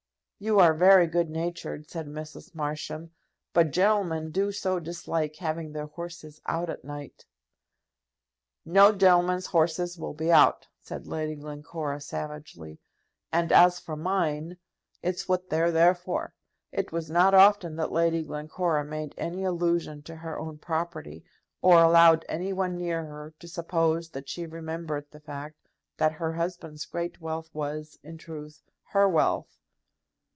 "You are very good natured," said Mrs. Marsham; "but gentlemen do so dislike having their horses out at night." "No gentleman's horses will be out," said Lady Glencora, savagely; "and as for mine, it's what they are there for." It was not often that Lady Glencora made any allusion to her own property, or allowed any one near her to suppose that she remembered the fact that her husband's great wealth was, in truth, her wealth.